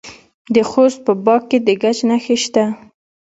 د خوست په باک کې د ګچ نښې شته.